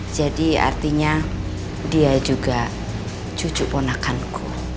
jadi artinya dia juga cucu ponakanku